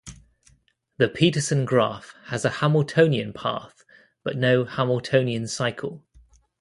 The Petersen graph has a Hamiltonian path but no Hamiltonian cycle.